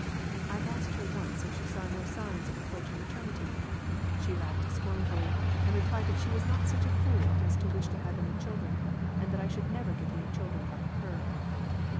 I asked her once if she saw no signs of approaching maternity. She laughed scornfully, and replied that she was not such a fool as to wish to have any children, and that T should never get any children by her."